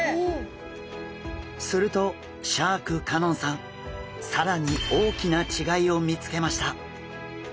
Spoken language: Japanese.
するとシャーク香音さん更に大きな違いを見つけました。